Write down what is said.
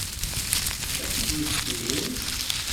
Ad t-id-mmektin?